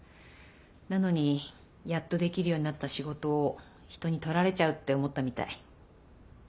なのにやっとできるようになった仕事を人に取られちゃうって思ったみたい。